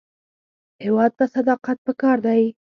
هېواد ته صداقت پکار دی